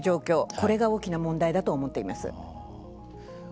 これが大きな問題だと思っています。